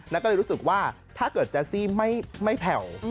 แล้วก็เลยรู้สึกว่าถ้าเกิดแจ๊สซี่ไม่แผ่ว